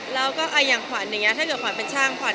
แล้วก็อย่างขวัญเนี่ยถ้าเกิดขวัญเป็นช่าง